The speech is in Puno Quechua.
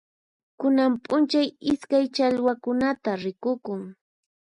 Kunan p'unchay iskay challwaqkunata rikukun.